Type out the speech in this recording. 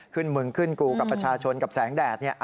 ขึ้นหมึงขึ้นกูกับประชาชนกับแสงแดดเนี่ย